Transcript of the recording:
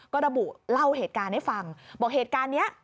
ก็ระบุเล่าเหตุการณ์ให้ฟังบอกเหตุการณ์นี้